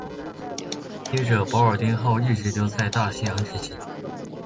接着保尔丁号一直留在大西洋执勤。